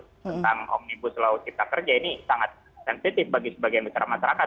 tentang omnibus law cipta kerja ini sangat sensitif bagi sebagian besar masyarakat